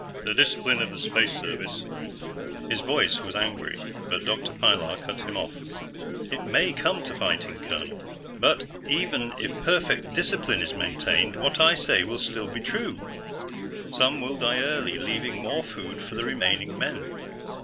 The discipline of the Space Service " His voice was angry, but Dr. Pilar cut him off. "It may come to fighting, colonel, but, even if perfect discipline is maintained, what I say will still be true. Some will die early, leaving more food for the remaining men.